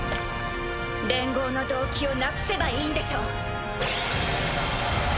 連合の動機をなくせばいいんでしょ。